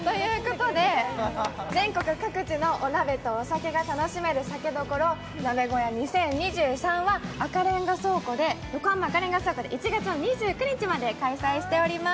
全国各地のお鍋とお酒が楽しめる酒処鍋小屋２０２３は横浜赤レンガ倉庫で１月２９日まで開催しております。